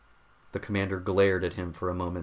The commander glared at him for a moment.